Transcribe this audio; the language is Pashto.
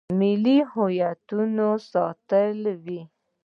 ملي هویتونه یې ساتلي وي.